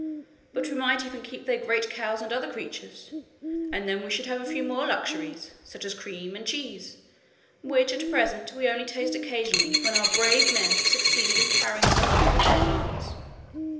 But we might even keep their great cows and other creatures, and then we should have a few more luxuries, such as cream and cheese, which at present we only taste occasionally, when our brave men have succeeded in carrying some off from their farms.'